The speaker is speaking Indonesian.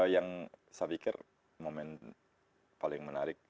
yang saya pikir momen paling menarik